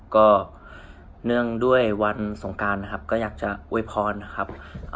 ก็เนื่องด้วยวันสงการนะครับก็อยากจะอวยพรนะครับ